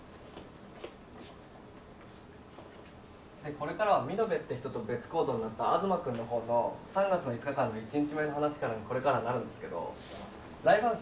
「これからはミノベって人と別行動になったアズマ君の方の三月の５日間の１日目の話にこれからなるんですけどライブハウス